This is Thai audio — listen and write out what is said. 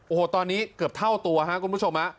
โอ้โหตอนนี้เกือบเท่าตัวครับคุณผู้ชมฮะ